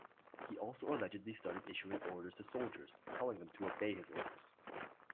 He also allegedly started issuing orders to soldiers, telling them to obey his orders.